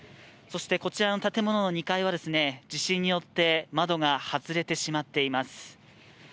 そして、こちらの建物の２階は地震によって窓が外れてしまっています。